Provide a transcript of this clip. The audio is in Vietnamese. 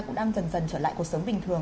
cũng đang dần dần trở lại cuộc sống bình thường